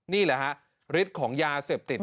นี่แหละฮะฤทธิ์ของยาเสพติด